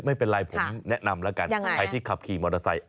ไม่เป็นไรผมแนะนำแล้วกันใครที่ขับขี่มอเตอร์ไซค